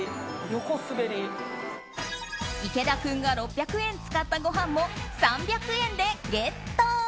池田君が６００円使ったご飯も３００円でゲット。